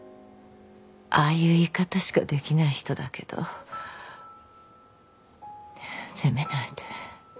ああいう言い方しかできない人だけど責めないで。